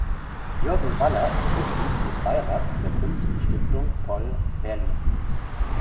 Jürgen Waller ist Mitglied des Beirats der Kunststiftung Poll, Berlin.